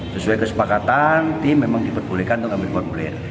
sesuai kesepakatan tim memang diperbolehkan untuk ambil formulir